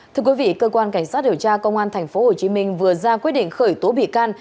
thưa quý vị cơ quan cảnh sát điều tra công an tp hcm vừa ra quyết định khởi tố bị can